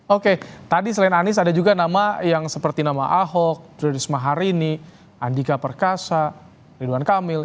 oke tadi selain anies ada juga nama yang seperti nama ahok tririsma harini andika perkasa ridwan kamil